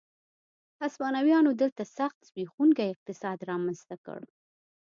هسپانویانو دلته سخت زبېښونکی اقتصاد رامنځته کړ.